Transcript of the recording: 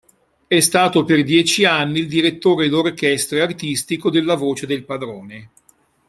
È stato per dieci anni il direttore d'orchestra e artistico della Voce del Padrone.